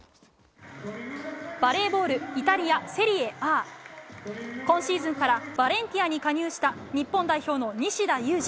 バレーボールイタリアセリエＡ、今シーズンからバレンティアに加入した日本代表の西田有志。